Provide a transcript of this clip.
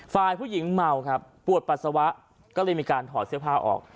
ฝ่ายผู้หญิงเมาครับปวดปัสสาวะก็เลยมีการถอดเสื้อผ้าออก